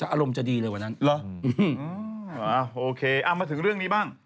โอเคเอามาถึงเรื่องนี้บ้าง